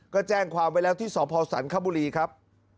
ก็แจ้งความไว้แล้วที่สพสันคบุรีครับ